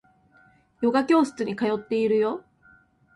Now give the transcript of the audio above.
ヨガ教室に通っているよ